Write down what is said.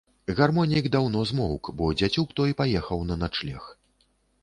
Гармонік даўно змоўк, бо дзяцюк той паехаў на начлег.